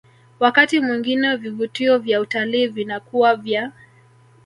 Wakati mwingine vivutio vya utalii vinakuwa vya